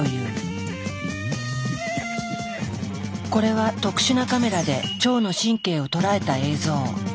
これは特殊なカメラで腸の神経を捉えた映像。